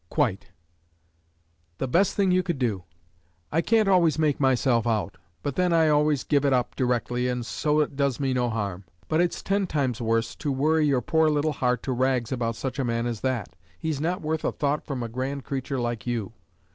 "Quite." "The best thing you could do. I can't always make myself out. But, then, I always give it up directly, and so it does me no harm. But it's ten times worse to worry your poor little heart to rags about such a man as that; he's not worth a thought from a grand creature like you.